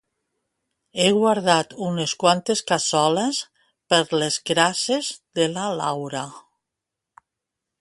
He guardat unes quantes cassoles per les crasses de la Laura